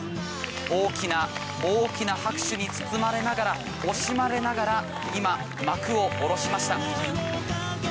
大きな大きな拍手に包まれながら惜しまれながら今、幕を下ろしました。